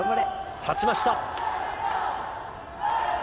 立ちました。